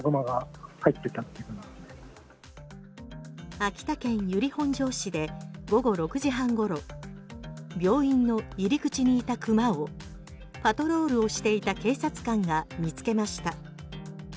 秋田県由利本荘市で午後６時半ごろ病院の入口にいた熊をパトロールをしていた警察官が見つけました。